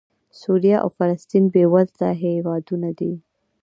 سوریه او فلسطین بېوزله هېوادونه دي.